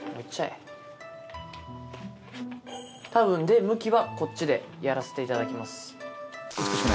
で向きはこっちでやらせていただきます。